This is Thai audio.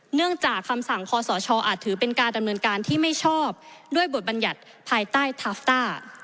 เนื่องจากคำสั่งคอสชอาจถือเป็นการดำเนินการที่ไม่ชอบด้วยบทบัญญัติภายใต้ทาฟต้า